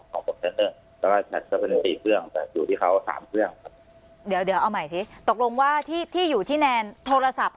ครับเช่นเดี๋ยวเอาใหม่ซิตกลงว่าที่ที่อยู่ที่แนนโทรศัพท์